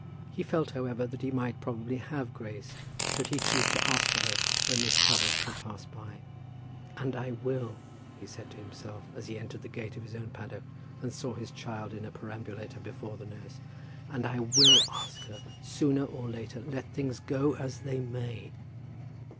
He felt, however, that he might probably have Grace, should he choose to ask for her when this trouble should have passed by. "And I will," he said to himself, as he entered the gate of his own paddock, and saw his child in her perambulator before the nurse. "And I will ask her, sooner or later, let things go as they may."